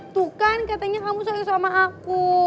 tuh kan katanya kamu solid sama aku